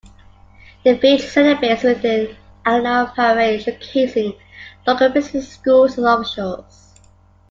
The village celebrates with an annual parade showcasing local businesses, schools, and officials.